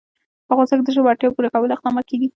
په افغانستان کې د ژبو اړتیاوو پوره کولو اقدامات کېږي.